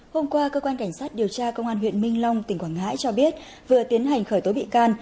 hôm qua cơ quan cảnh sát điều tra công an huyện minh long tỉnh quảng ngãi cho biết vừa tiến hành khởi tố bị can